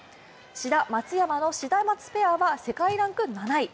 志田・松山のシダマツペアは世界ランク７位。